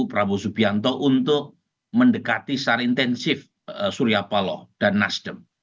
prabowo subianto untuk mendekati secara intensif surya paloh dan nasdem